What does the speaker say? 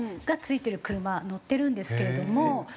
が付いてる車乗ってるんですけれども。